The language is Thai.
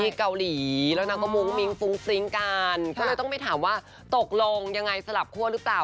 เกาหลีแล้วนางก็มุ้งมิ้งฟุ้งฟริ้งกันก็เลยต้องไปถามว่าตกลงยังไงสลับคั่วหรือเปล่า